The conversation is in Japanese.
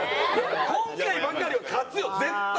今回ばかりは勝つよ絶対に！